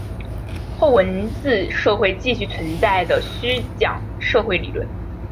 后文字社会继续存在的虚讲社会理论。